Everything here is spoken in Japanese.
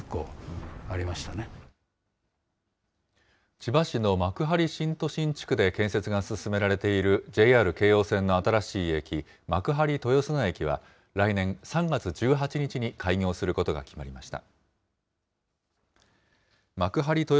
千葉市の幕張新都心地区で建設が進められているＪＲ京葉線の新しい駅、幕張豊砂駅は、来年３月１８日に開業することが決まりました。